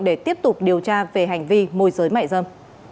để tiếp tục điều tra về hành vi môi giới mại dâm